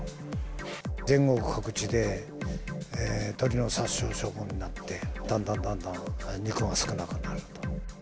全国各地で、鳥の殺処分になって、だんだんだんだん肉が少なくなると。